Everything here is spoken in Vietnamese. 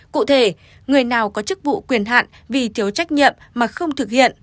cụ thể người nào có chức vụ quyền hạn vì thiếu trách nhiệm mà không thực hiện